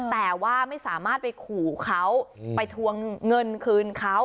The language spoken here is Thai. แต่ว่าไม่สามารถไปขู่เขาไปทวงเงินคืนเขา